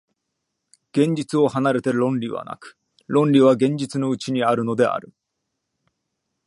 現実を離れて論理はなく、論理は現実のうちにあるのである。